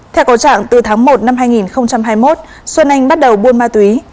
theo cầu trạng từ tháng một năm hai nghìn hai mươi một xuân anh bắt đầu buôn ma túy